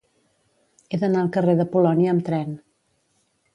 He d'anar al carrer de Polònia amb tren.